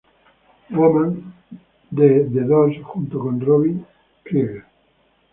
Woman" de The Doors, junto con Robby Krieger.